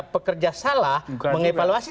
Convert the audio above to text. pekerja salah mengevaluasi